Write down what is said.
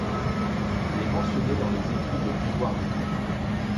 Il est mentionné dans les écrits de Grégoire de Tours.